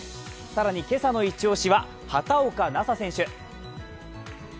更に今朝の一押しは畑岡奈紗選手。